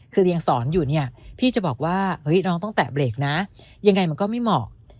คือเรียนสอนอยู่เนี่ยพี่จะบอกว่าเฮ้ยน้องต้องแตะเบรกนะยังไงมันก็ไม่เหมาะ